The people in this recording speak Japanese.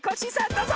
どうぞ！